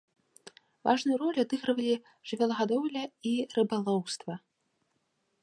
Важную ролю адыгрывалі жывёлагадоўля і рыбалоўства.